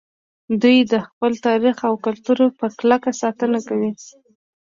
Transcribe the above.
دوی د خپل تاریخ او کلتور په کلکه ساتنه کوي